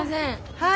はい。